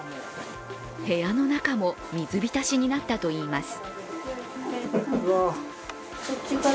部屋の中も水浸しになったといいます。